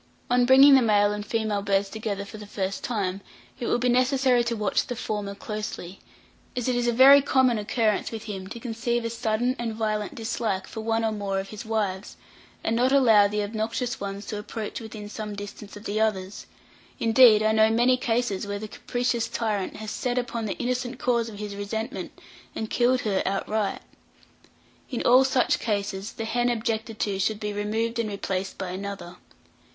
On bringing the male and female birds together for the first time, it will be necessary to watch the former closely, as it is a very common occurrence with him to conceive a sudden and violent dislike for one or more of his wives, and not allow the obnoxious ones to approach within some distance of the others; indeed, I know many cases where the capricious tyrant has set upon the innocent cause of his resentment and killed her outright. In all such cases, the hen objected to should be removed and replaced by another.